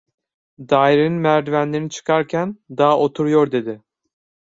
Dairenin merdivenlerini çıkarken: "Daha oturuyor!" dedi.